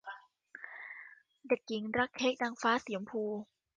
เด็กหญิงรักเค้กนางฟ้าสีชมพู